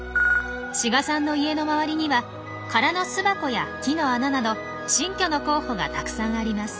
志賀さんの家の周りには空の巣箱や木の穴など新居の候補がたくさんあります。